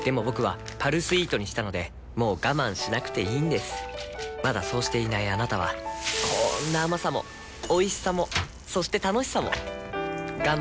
僕は「パルスイート」にしたのでもう我慢しなくていいんですまだそうしていないあなたはこんな甘さもおいしさもそして楽しさもあちっ。